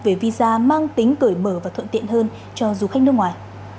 về visa mang tính cởi mở và thuận tiện hơn cho du khách nước ngoài